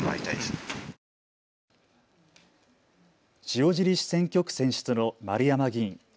塩尻市選挙区選出の丸山議員。